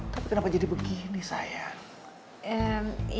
tapi kenapa jadi begini saya